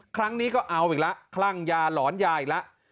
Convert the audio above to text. ครั้งนี้ก็เอาอีกแล้วคลั่งยาหลอนยาอีกแล้ว